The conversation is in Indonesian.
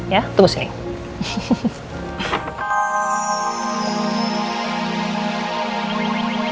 ya tunggu sini